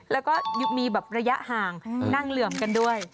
แล้วก็มีแบบระยะห่างนั่งเหลื่อมกันด้วย